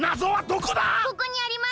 ここにあります！